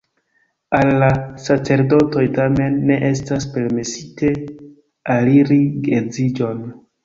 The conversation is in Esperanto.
Al la sacerdotoj, tamen, ne estas permesite aliri geedziĝon.